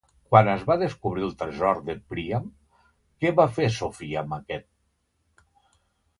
Quan es va descobrir el Tresor de Príam, què va fer Sophia amb aquest?